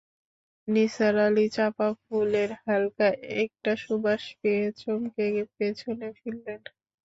নিসার আলি চাঁপা ফুলের হালকা একটা সুবাস পেয়ে চমকে পেছনে ফিরলেন।